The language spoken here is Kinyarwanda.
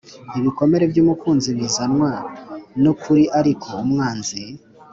ibikomere byumukunzi bizanwa nukuri ariko umwanzi